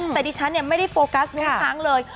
แต่ดิฉันไม่ได้โฟกัสน้องช้างเลย